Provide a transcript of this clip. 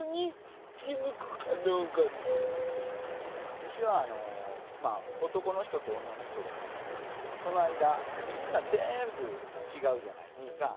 私はまあ男の人と女の人がいてその間みんなぜんぶ違うじゃないですか。